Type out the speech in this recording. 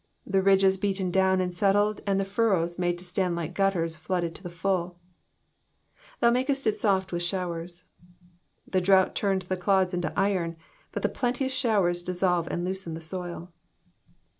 The ridges beaten down and settled, and the furrows made to stand like gutters flooded to the fulL ^^Thou makest it soft with s/wwers,'*^ The drought turned the clods into iron, but the plenteous showers dissolve and loosen the soil.